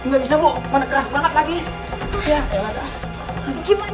gak bisa bu mana keras banget lagi